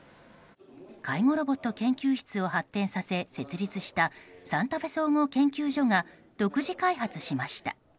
介護ロボット研究室を発展させ設立したサンタフェ総合研究所が独自開発しました。